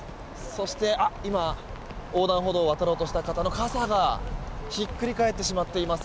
そして、今、横断歩道を渡ろうとした方の傘がひっくり返ってしまっています。